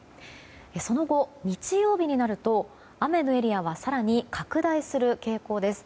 その後、日曜日になると雨のエリアは更に拡大する傾向です。